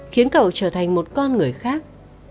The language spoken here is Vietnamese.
khiến cậu trở thành một con người khác